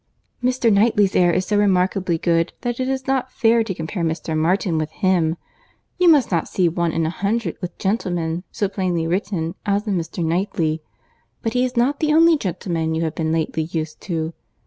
"Mr. Knightley's air is so remarkably good that it is not fair to compare Mr. Martin with him. You might not see one in a hundred with gentleman so plainly written as in Mr. Knightley. But he is not the only gentleman you have been lately used to.